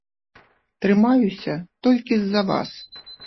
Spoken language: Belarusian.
Трымаюся толькі з-за вас.